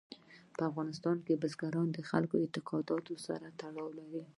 په افغانستان کې بزګان د خلکو د اعتقاداتو سره تړاو لري.